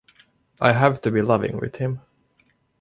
I have to be loving with him.